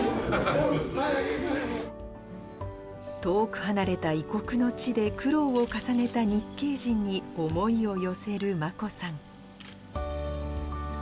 遠く離れた異国の地で、苦労を重ねた日系人に思いを寄せる眞子さん。